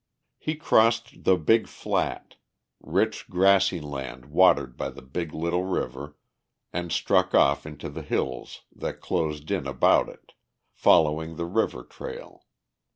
He crossed the Big Flat, rich grassy land watered by the Big Little River, and struck off into the hills that closed in about it, following the river trail.